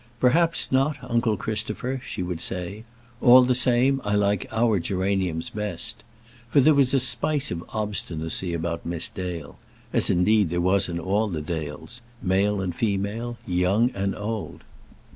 "Perhaps not, uncle Christopher," she would say. "All the same, I like our geraniums best;" for there was a spice of obstinacy about Miss Dale, as, indeed, there was in all the Dales, male and female, young and old.